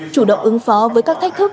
chủ động ứng phó với các thách thức